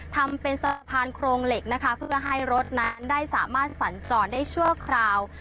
ทำเป็นสะพานโครงเหล็กนะคะเพื่อให้รถนั้นได้สามารถสัญจรได้ชั่วคราว